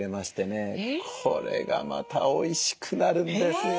これがまたおいしくなるんですよ。